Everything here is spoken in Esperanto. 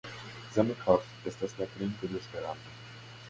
Zamenhof estas la kreinto de Esperanto.